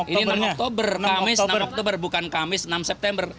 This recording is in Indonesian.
ini enam oktober kamis enam oktober bukan kamis enam september